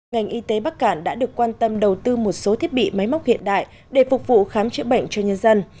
ngành y tế bắc cản đã được quan tâm đầu tư một số thiết bị máy móc hiện đại để phục vụ khám chữa bệnh cho nhân dân